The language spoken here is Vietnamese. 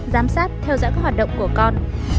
giám sát theo dõi các hoạt động của con